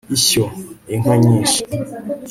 ishyo inka nyinshi